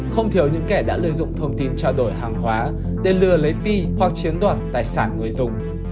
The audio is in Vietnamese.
không thiếu những kẻ đã lưu dụng thông tin trao đổi hàng hóa để lừa lấy pi hoặc chiến đoàn tài sản người dùng